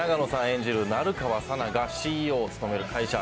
演じる成川佐奈がＣＥＯを務める会社